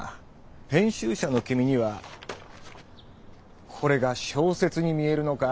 編集者の君にはこれが小説に見えるのか？